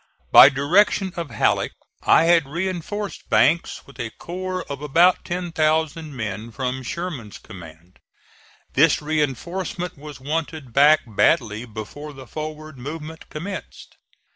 By direction of Halleck I had reinforced Banks with a corps of about ten thousand men from Sherman's command. This reinforcement was wanted back badly before the forward movement commenced.